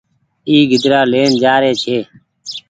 اي گيدرآ لين جآ رئي ڇي۔